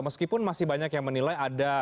meskipun masih banyak yang menilai ada